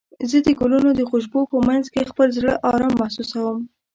زه د ګلونو د خوشبو په مینځ کې خپل زړه ارام محسوسوم.